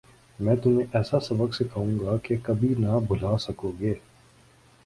میں تمہیں ایسا سبق سکھاؤں گا کہ تم کبھی نہ بھلا سکو گے